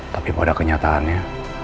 tapi pada kenyataannya